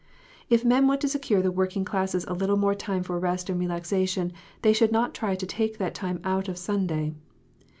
If men want to secure the working classes a little more time for rest and relaxation, they should not try to take that time out of Sunday.